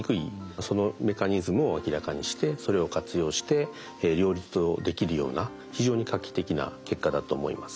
そのメカニズムを明らかにしてそれを活用して両立をできるような非常に画期的な結果だと思います。